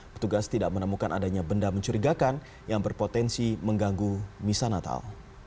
petugas tidak menemukan adanya benda mencurigakan yang berpotensi mengganggu misa natal